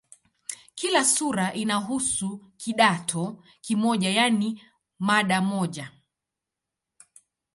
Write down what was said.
Kila sura inahusu "kidato" kimoja, yaani mada moja.